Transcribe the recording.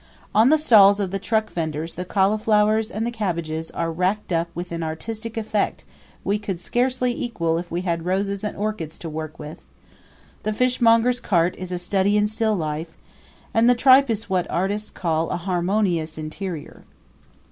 On the stalls of the truckvenders the cauliflowers and the cabbages are racked up with an artistic effect we could scarcely equal if we had roses and orchids to work with; the fishmonger's cart is a study in still life, and the tripe is what artists call a harmonious interior.